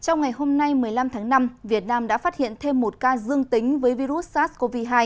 trong ngày hôm nay một mươi năm tháng năm việt nam đã phát hiện thêm một ca dương tính với virus sars cov hai